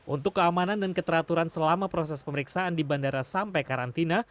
untuk keamanan dan keteraturan selama proses pemeriksaan di bandara sampai karantina